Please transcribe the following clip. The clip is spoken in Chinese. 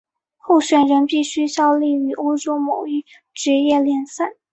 候选人必须效力于欧洲某一职业联赛。